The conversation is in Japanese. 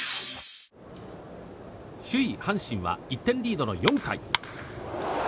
首位、阪神は１点リードの４回。